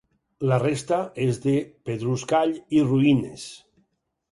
La resta és de pedruscall i ruïnes.